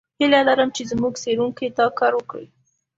هیله لرم چې زموږ څېړونکي دا کار وکړي.